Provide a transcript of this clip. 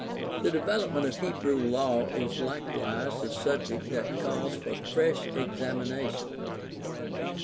The development of Hebrew law is likewise a subject that calls for fresh examination.